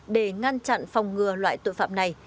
để ngăn chặn phòng ngừa loại tội phạm này